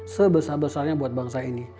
sebesar besarnya buat bangsa ini